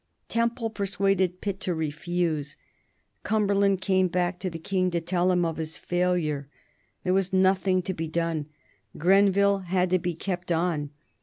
Temple persuaded Pitt to refuse. Cumberland came back to the King to tell of his failure. There was nothing to be done. Grenville had to be kept on.